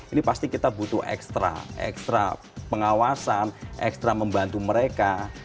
ini pasti kita butuh ekstra ekstra pengawasan ekstra membantu mereka